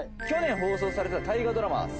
去年放送された大河ドラマ